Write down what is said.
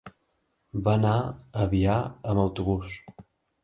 Va anar a Biar amb autobús.